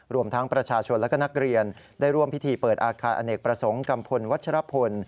รวมทั้งประชาชนและก็นักเรียนได้ร่วมพิธีเปิดอาคารอเนกประสงค์กัมพลวัชรพล